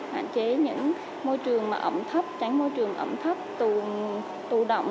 hạn chế những môi trường ẩm thấp tránh môi trường ẩm thấp tùn tù động